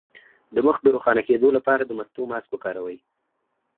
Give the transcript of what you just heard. د مخ د روښانه کیدو لپاره د مستو ماسک وکاروئ